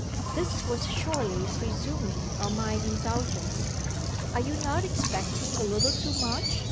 This was surely presuming on my indulgence. "Are you not expecting a little too much?"